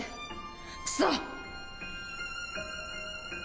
クソ！